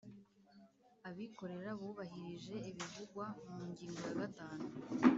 Abikorera bubahirije ibivugwa mu ngingo ya gatanu